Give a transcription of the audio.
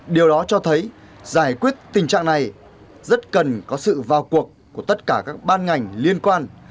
điều đó cho thấy giải quyết tình trạng này rất cần có sự vào cuộc của tất cả các ban ngành liên quan